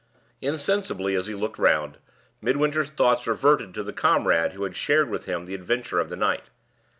Insensibly, as he looked round, Midwinter's thoughts reverted to the comrade who had shared with him the adventure of the night.